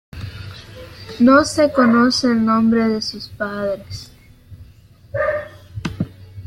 No se conoce el nombre de sus padres.